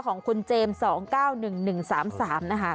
ของคุณเจมส์๒๙๑๑๓๓นะคะ